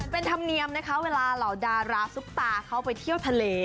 เป็นธรรมเนียมนะคะเวลาเหล่าดาราซุปตาเขาไปเที่ยวทะเล